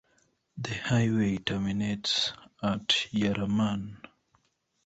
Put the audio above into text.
The highway terminates at Yarraman.